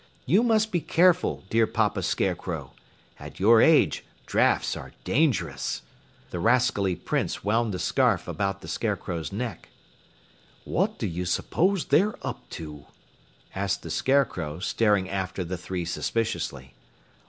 You must be careful, dear Papa Scarecrow. At your age, drafts are dangerous." The rascally Prince wound the scarf about the Scarecrow's neck. "What do you suppose they are up to?" asked the Scarecrow, staring after the three suspiciously.